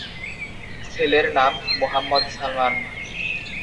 ছেলের নাম মুহাম্মদ সালমান।